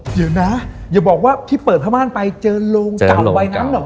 เดี๋ยวนะอย่าบอกว่าที่เปิดผ้าม่านไปเจอโรงเก่าวัยนั้นเหรอ